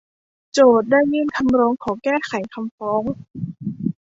โจทก์ได้ยื่นคำร้องขอแก้ไขคำฟ้อง